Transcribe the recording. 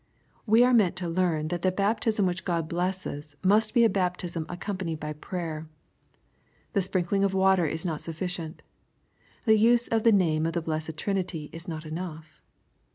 We are meant to learn that the baptism which God blesses must be a baptism accompa nied by prayer. The sprinkling of water is not suffi cient The use of the name of the blessed Trinity is not enough.